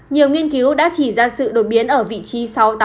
nhiều nghiên cứu đã chỉ ra sự đột biến ở vị trí sáu trăm tám mươi một